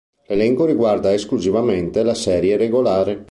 L'elenco riguarda esclusivamente la serie regolare.